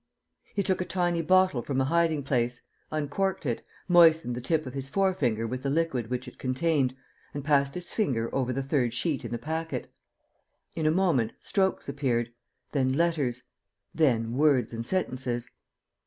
He took a tiny bottle from a hiding place, uncorked it, moistened the tip of his forefinger with the liquid which it contained and passed his finger over the third sheet in the packet. In a moment, strokes appeared, then letters, then words and sentences.